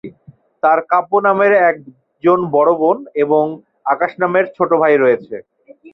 তার কাব্য নামের একজন বড়ো বোন এবং আকাশ নামের ছোটো ভাই রয়েছে।